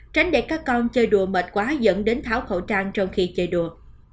tránh để các con chơi đùa mệt quá dẫn đến tháo khẩu trang trong khi chơi đùa